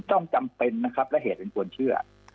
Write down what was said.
จำเป็นนะครับและเหตุอันควรเชื่อ